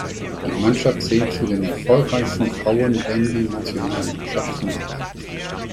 Die Mannschaft zählt zu den erfolgreichsten Frauen-Bandynationalmannschaften der Welt.